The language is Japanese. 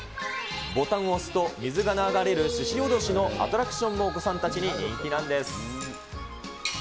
ボタンを押すと水が流れるししおどしのアトラクションもお子さんたちに人気なんです。